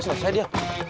udah selesai dia